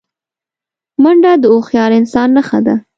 منډه د هوښیار انسان نښه ده